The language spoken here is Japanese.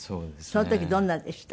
その時どんなでした？